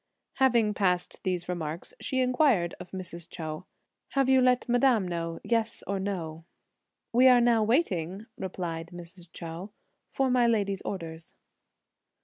Having passed these remarks, she inquired of Mrs. Chou, "Have you let madame know, yes or no?" "We are now waiting," replied Mrs. Chou, "for my lady's orders."